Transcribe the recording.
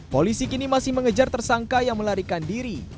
polisi kini masih mengejar tersangka yang melarikan diri